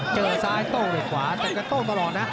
เจอซ้ายโตด้วยขวาทำและโตด้วยไปรอดนะ